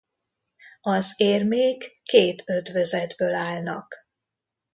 Az érmék két ötvözetből állnak.